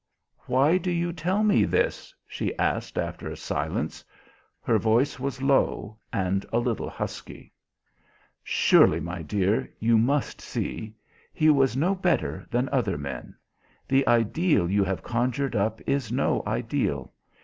"Why do you tell me this?" she asked after a silence; her voice was low and a little husky. "Surely, my dear, you must see. He was no better than other men. The ideal you have conjured up is no ideal.